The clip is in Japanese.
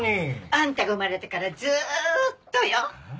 あんたが生まれてからずーっとよ。